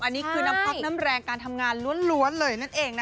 อันนี้คือน้ำพักน้ำแรงการทำงานล้วนเลยนั่นเองนะคะ